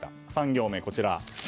３行目、こちら。